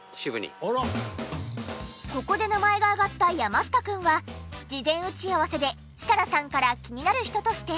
ここで名前が挙がった山下くんは事前打ち合わせで設楽さんから気になる人として。